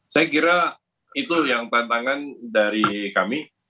saya kira itu yang tantangan dari kami